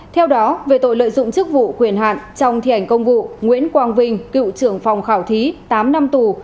theo đó về tội lợi dụng chức vụ quyền hạn trong thi hành công vụ nguyễn quang vinh cựu trưởng phòng khảo thí tám năm tù